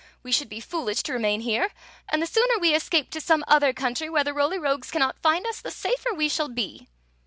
We should be foolish to remain here ; and the sooner we escape to some other country where the Roly Rogues cannot find us» the safer we shall be.